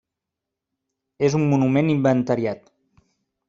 És un monument inventariat.